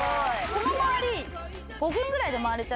この周り。